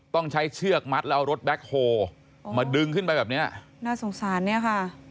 ต้องใช้เชือกมัดแล้วเอารถแบ็คโฮมาดึงขึ้นไปแบบเนี้ยน่าสงสารเนี่ยค่ะ